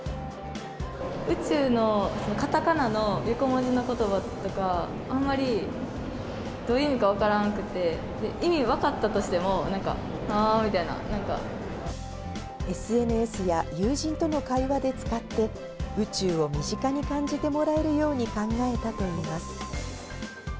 宇宙のかたかなの横文字のことばとか、あんまりどういう意味か分からんくて、意味分かったとしても、ＳＮＳや友人との会話で使って、宇宙を身近に感じてもらえるように考えたといいます。